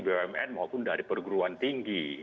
bumn maupun dari perguruan tinggi